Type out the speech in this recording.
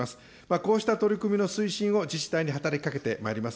こうした取り組みの推進を自治体に働きかけてまいります。